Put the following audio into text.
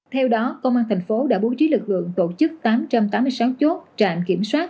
theo đó công an thành phố đã bố trí lực lượng tổ chức tám trăm tám mươi sáu chốt trạm kiểm soát